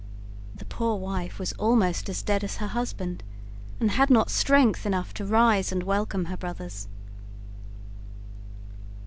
The poor wife was almost as dead as her husband, and had not strength enough to rise and welcome her brothers.